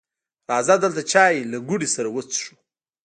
راځه دلته چای له ګوړې سره وڅښو